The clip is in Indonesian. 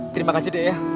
terima kasih dek ya